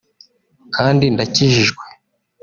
kandi ndakijijwe